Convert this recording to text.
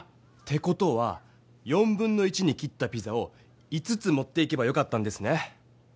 て事は1/4に切ったピザを５つ持っていけばよかったんですね。